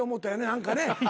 何かね。